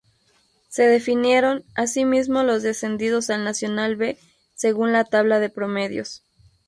Se definieron, asimismo, los descendidos al Nacional B, según la tabla de promedios.